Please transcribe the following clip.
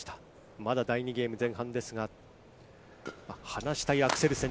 まだ第２ゲーム前半ですが、離したいアクセルセン。